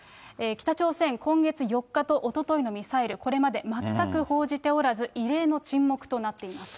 北朝鮮、今月４日とおとといのミサイル、これまで全く報じておらず、異例の沈黙となっています。